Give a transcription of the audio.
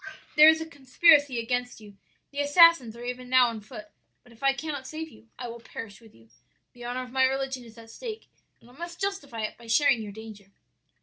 "'There is a conspiracy against you; the assassins are even now on foot; but if I cannot save, I will perish with you. The honor of my religion is at stake, and I must justify it by sharing your danger.'